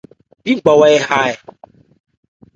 Bí ngbawa á ha ɛ ?